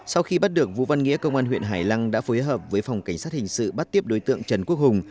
sau khi bắt được vũ văn nghĩa công an huyện hải lăng đã phối hợp với phòng cảnh sát hình sự bắt tiếp đối tượng trần quốc hùng